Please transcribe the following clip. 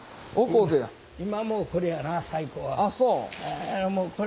今もうこれやな最高は。